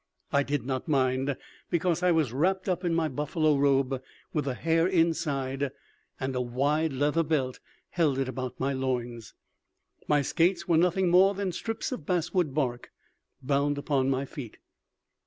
I did not mind, because I was wrapped up in my buffalo robe with the hair inside, and a wide leather belt held it about my loins. My skates were nothing more than strips of basswood bark bound upon my feet.